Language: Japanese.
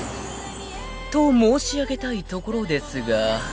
［と申し上げたいところですが］